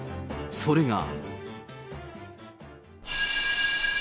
それが。